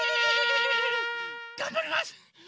がんばります！